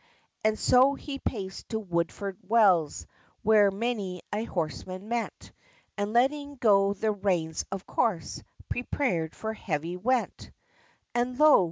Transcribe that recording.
And so he paced to Woodford Wells, Where many a horseman met, And letting go the reins, of course, Prepared for heavy wet. And lo!